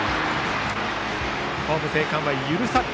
ホーム生還は許さず。